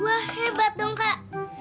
wah hebat dong kak